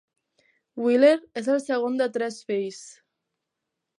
Wheeler és el segon de tres fills.